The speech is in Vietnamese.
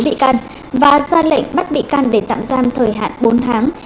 bốn bị can và ra lệnh bắt bị can để tạm giam thời hạn bốn tháng